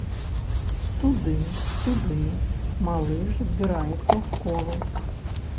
Туды-сюды, малыш збіраецца ў школу.